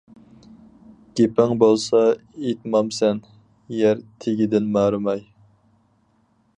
گېپىڭ بولسا ئېيتمامسەن، يەر تېگىدىن مارىماي.